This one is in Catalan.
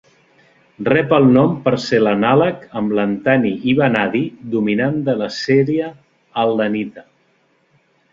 Rep el nom per ser l'anàleg amb lantani i vanadi dominant de la sèrie al·lanita.